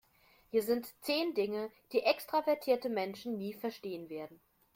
Hier sind zehn Dinge, die extravertierte Menschen nie verstehen werden.